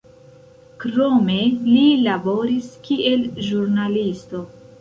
Krome li laboris kiel ĵurnalisto.